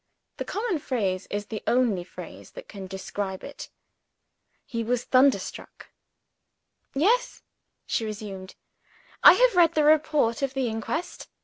The common phrase is the only phrase that can describe it. He was thunderstruck. "Yes," she resumed, "I have read the report of the inquest.